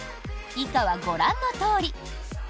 以下はご覧のとおり。